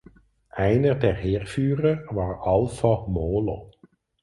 Einer der Heerführer war Alfa Molo.